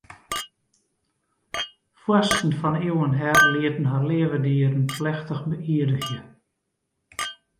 Foarsten fan iuwen her lieten har leave dieren plechtich beïerdigje.